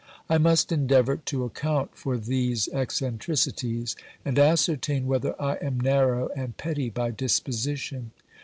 I must endeavour to account for these eccentricities, and ascertain whether I am narrow and petty by disposition.